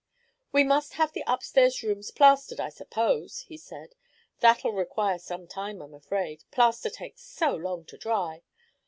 "We must have the upstairs rooms plastered, I suppose," he said. "That'll require some time, I'm afraid. Plaster takes so long to dry.